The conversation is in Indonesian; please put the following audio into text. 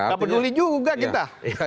enggak peduli juga kita